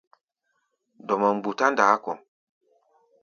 Dɔmɔ mgbutá ndaá kɔ̧.